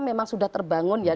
memang sudah terbangun ya